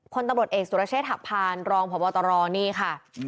คนตำรวจเอกสุรเชษฐหักพานรองพบตรนี่ค่ะ